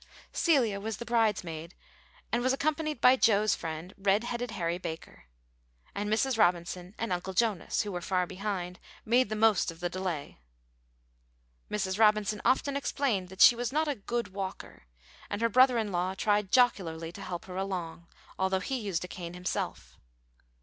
Celia was the bridesmaid, and was accompanied by Joe's friend, red headed Harry Baker; and Mrs. Robinson and Uncle Jonas, who were far behind, made the most of the delay. Mrs. Robinson often explained that she was not a "good walker," and her brother in law tried jocularly to help her along, although he used a cane himself.